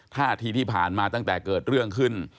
ท่าทีที่ผ่านมาตั้งแต่เกิดเรื่องขึ้น